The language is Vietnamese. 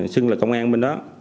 xưng là công an bên đó